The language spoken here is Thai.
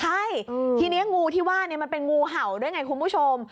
ใช่ทีนี้งูที่ว่ามันเป็นงูเห่าด้วยไงคุณผู้ชม